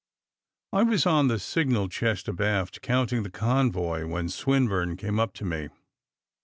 I was on the signal chest abaft, counting the convoy, when Swinburne came up to me.